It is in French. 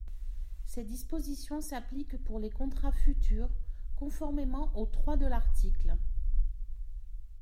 Ces dispositions s’appliquent pour les contrats futurs, conformément au trois de l’article.